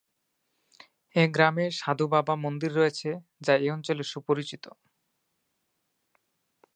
এ গ্রামে সাধু বাবা মন্দির রয়েছে যা এই অঞ্চলে সুপরিচিত।